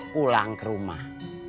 pulang ke rumah